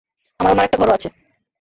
আমার অন্য আরেকটা ঘরও আছে।